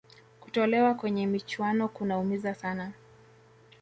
kutolewa kwenye michuano kunaumiza sana